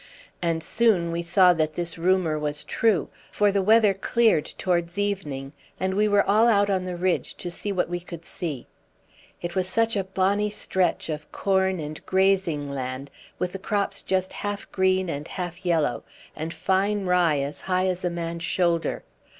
And soon we saw that this rumour was true; for the weather cleared towards evening, and we were all out on the ridge to see what we could see. It was such a bonny stretch of corn and grazing land, with the crops just half green and half yellow, and fine rye as high as a man's shoulder.